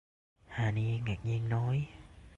Hà ni Ngạc nhiên nói